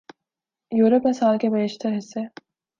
Europe میں سال کے بیشتر حصے